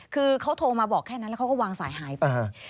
คือเขาโทรมาบอกแค่นั้นแล้วเขาก็วางสายหายไป